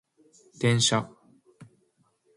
電車